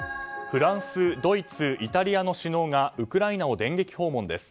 フランス、ドイツイタリアの首相がウクライナを電撃訪問です。